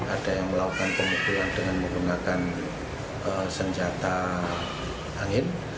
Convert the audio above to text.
ada yang melakukan pemukulan dengan menggunakan senjata angin